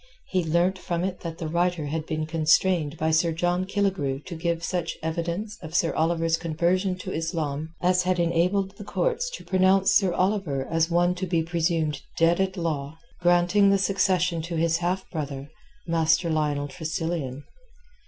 He learnt from it that the writer had been constrained by Sir John Killigrew to give such evidence of Sir Oliver's conversion to Islam as had enabled the courts to pronounce Sir Oliver as one to be presumed dead at law, granting the succession to his half brother, Master Lionel Tressilian.